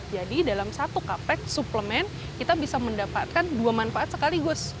jadi dalam satu kaplek suplemen kita bisa mendapatkan dua manfaat sekaligus